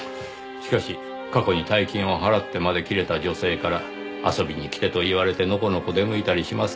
しかし過去に大金を払ってまで切れた女性から遊びに来てと言われてのこのこ出向いたりしますかね？